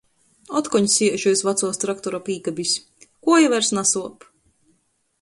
Otkon siežu iz vacuos traktora pīkabis. Kuoja vairs nasuop!